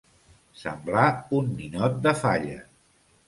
Semblar un ninot de falla.